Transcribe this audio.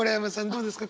どうですか？